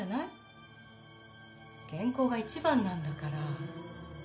健康が一番なんだから。